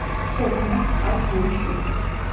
ცოლ-ქმარს ჰყავს სამი შვილი.